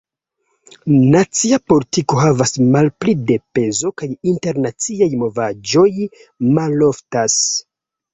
Nacia politiko havas malpli da pezo kaj internaciaj novaĵoj maloftas.